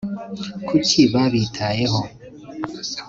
kuki babitayeho